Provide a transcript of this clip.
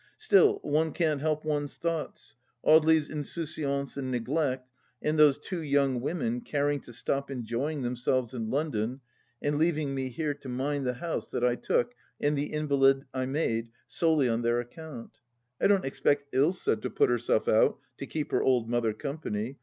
Still, one can't help one's thoughts — Audely's insouciance and neglect, and those two young women caring to stop enjoying themselves in London and leaving me here to mind the house that I took and the invalid I made, solely on their account 1 I don't expect Usa to put herself out to keep her old mother company.